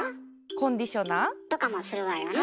コンディショナー？とかもするわよね。